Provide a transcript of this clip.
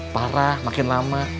parah makin lama